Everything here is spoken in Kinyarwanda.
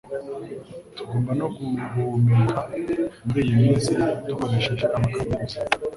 tugomba no guhumeka muriyi minsi dukoresheje amagambo y'ubuzima.